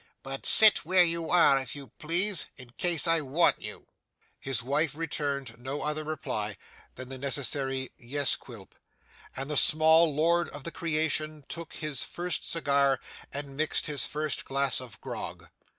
But sit where you are, if you please, in case I want you.' His wife returned no other reply than the necessary 'Yes, Quilp,' and the small lord of the creation took his first cigar and mixed his first glass of grog.